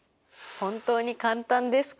本当に簡単ですか？